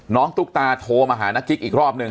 น้องตุ๊กตาโทรมาหานกิ๊กอีกรอบนึง